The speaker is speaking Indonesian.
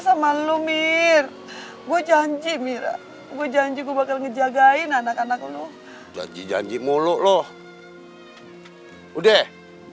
sama lu mir gue janji mira gue janji gua bakal ngejagain anak anak lu janji janji mulu loh udah